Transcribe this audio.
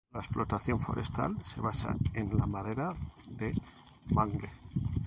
La explotación forestal se basa en la madera de mangle.